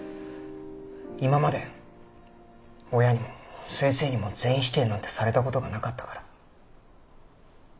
今まで親にも先生にも全否定なんてされたことがなかったから。